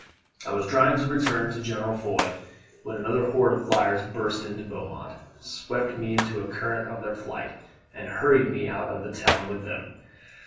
I was trying to return to General Foy, when another horde of flyers burst into Beaumont, swept me into the current of their flight, and hurried me out of the town with them.